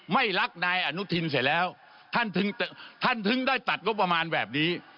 ไม่รักนายอนุทินเสร็จแล้วท่านถึงได้ตัดงบประมาณแบบนี้